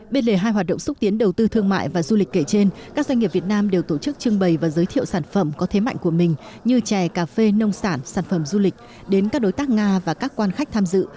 bên lề hai hoạt động xúc tiến đầu tư thương mại và du lịch kể trên các doanh nghiệp việt nam đều tổ chức trưng bày và giới thiệu sản phẩm có thế mạnh của mình như chè cà phê nông sản sản phẩm du lịch đến các đối tác nga và các quan khách tham dự